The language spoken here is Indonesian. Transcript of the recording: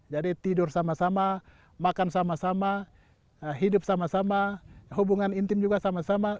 jadi tidur sama sama makan sama sama hidup sama sama hubungan intim juga sama sama